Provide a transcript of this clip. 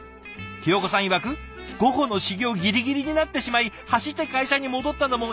ひよこさんいわく「午後の始業ギリギリになってしまい走って会社に戻ったのもいい思い出！」